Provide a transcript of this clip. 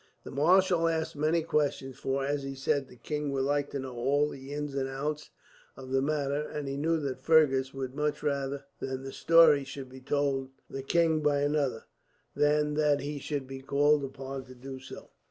The marshal asked many questions for, as he said, the king would like to know all the ins and outs of the matter; and he knew that Fergus would much rather that the story should be told the king by another, than that he should be called upon to do so.